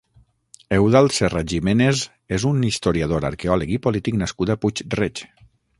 Eudald Serra Giménez és un historiador, arqueòleg i polític nascut a Puig-reig.